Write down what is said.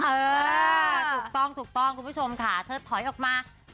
ถูกต้องถูกต้องคุณผู้ชมค่ะเธอถอยออกมา